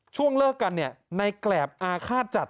ช่วงเลิกกันเนี่ยในแกรบอาฆาตจัด